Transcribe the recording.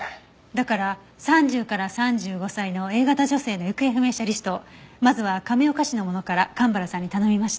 だから３０から３５歳のＡ型女性の行方不明者リストをまずは亀岡市のものから蒲原さんに頼みました。